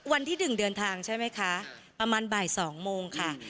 วันที่๑เดินทางใช่ไหมคะประมาณบ่าย๒โมงค่ะ